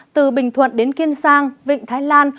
từ bình thuận đến kiên giang vịnh thái lan